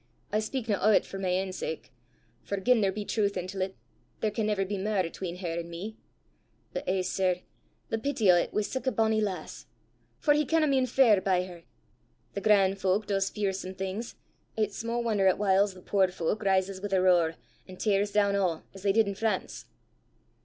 I speakna o' 't for my ain sake; for gien there be trowth intil 't, there can never be mair 'atween her and me! But, eh, sir, the peety o' 't wi' sic a bonnie lass! for he canna mean fair by her! Thae gran' fowk does fearsome things! It's sma' won'er 'at whiles the puir fowk rises wi' a roar, an' tears doon a', as they did i' France!"